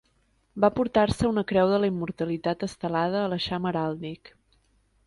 Va portar-se una Creu de la Immortalitat estelada a l'eixam heràldic.